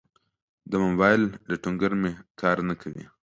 د موبایل لټونګر می کار نه کوي